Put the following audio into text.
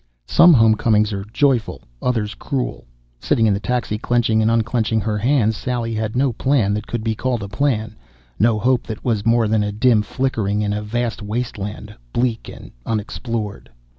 Some homecomings are joyful, others cruel. Sitting in the taxi, clenching and unclenching her hands, Sally had no plan that could be called a plan, no hope that was more than a dim flickering in a vast wasteland, bleak and unexplored.